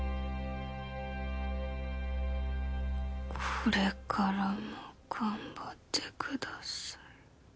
「これからも」「頑張ってください」